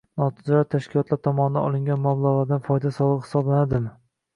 Notijorat tashkilotlar tomonidan olingan mablag‘lardan foyda solig‘i hisoblanadimi?